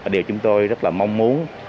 điều chúng tôi rất là mong muốn